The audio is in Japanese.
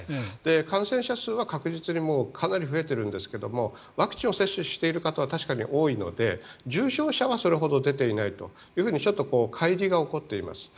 感染者数は確実にかなり増えているんですけどワクチンを接種している方は確かに多いので重症者はそれほど出ていないというふうにちょっとかい離が起こっています。